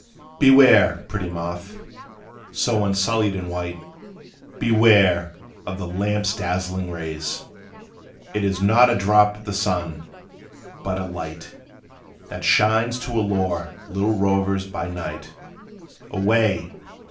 Beware, pretty Moth, so unsullied and white, Beware of the lamp's dazzling rays! It is not a drop of the sun! but a light That shines to allure little rovers by night; Away!